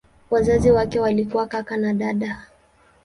Wazazi wake walikuwa kaka na dada.